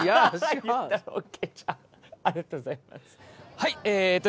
はい。